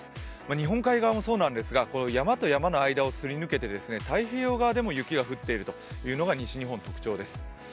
日本海側もそうなんですが、山と山の間をすり抜けて太平洋側でも雪が降っているのが西日本、特徴です。